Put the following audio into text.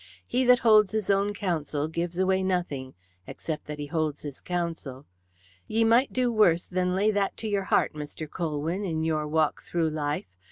He that holds his own counsel gives away nothing except that he holds his counsel. Ye might do worse than lay that to your heart, Mr. Colwyn, in your walk through life.